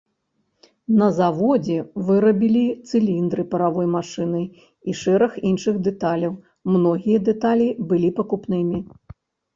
На заводзе вырабілі цыліндры паравой машыны і шэраг іншых дэталяў, многія дэталі былі пакупнымі.